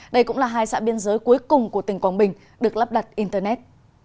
đây cũng là hai xã biên giới cuối cùng của tỉnh quảng bình được lắp đặt internet